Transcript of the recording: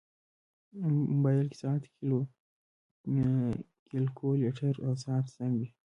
موبایل کې ساعت، کیلکولیټر، او ساعت زنګ وي.